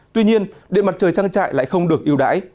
tuy nhiên điện mặt trời trang trại lại không được yêu đáy